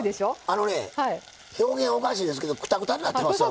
あのね表現おかしいですけどくたくたになってますよ